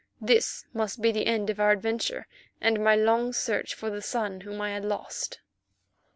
This must be the end of our adventure and my long search for the son whom I had lost.